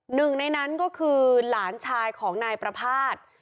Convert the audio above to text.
หนึ่งในนั้นก็คือหลานชายของนายประภาษณ์